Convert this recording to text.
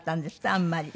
あんまり。